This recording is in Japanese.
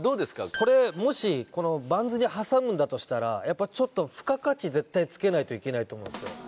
これもしこのバンズに挟むんだとしたらやっぱちょっと付加価値絶対つけないといけないと思うんすよ